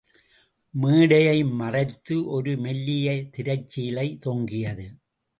மேடையை மறைத்து ஒரு மெல்லிய திரைச்சீலை தொங்கியது.